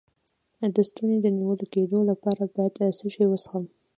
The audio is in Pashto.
د ستوني د نیول کیدو لپاره باید څه شی وڅښم؟